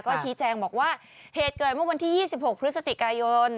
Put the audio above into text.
ก็ชี้แจงบอกว่าเหตุเกิดเมื่อวันที่๒๖พฤศจิกายน